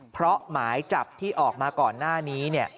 เพราะหมายจับที่ออกมาก่อนหน้านี้